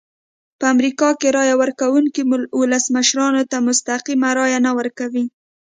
په امریکا کې رایه ورکوونکي ولسمشرانو ته مستقیمه رایه نه ورکوي.